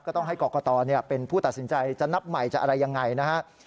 ต้องให้กรกตเป็นผู้ตัดสินใจจะนับใหม่จะอะไรยังไงนะฮะ